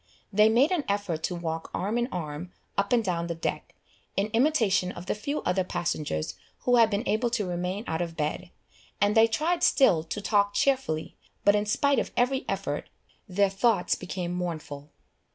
They made an effort to walk arm in arm up and down the deck, in imitation of the few other passengers who had been able to remain out of bed, and they tried still to talk cheerfully, but in spite of every effort, their thoughts became mournful.